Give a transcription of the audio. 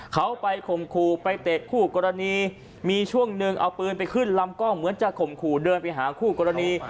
เขาไปข่มขู่ไปเตะคู่กรณีมีช่วงหนึ่งเอาปืนไปขึ้นลำกล้องเหมือนจะข่มขู่เดินไปหาคู่กรณี